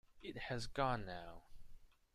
It has gone now.